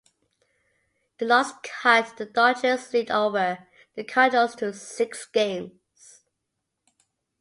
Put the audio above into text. The loss cut the Dodgers' lead over the Cardinals to six games.